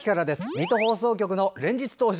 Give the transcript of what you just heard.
水戸放送局から連日登場！